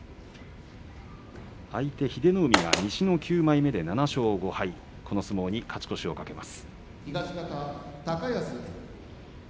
相手英乃海は、西の９枚目で７勝５敗、この相撲に勝ち越しを懸けます。